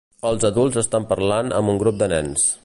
Uns adults estan parlant amb un grup de nens.